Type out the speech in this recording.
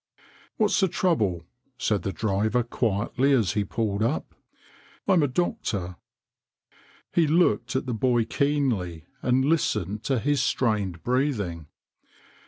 "What's the trouble?" said the driver quietly as he pulled up. "I'm a doctor." He looked at the boy keenly and listened to his strained breathing.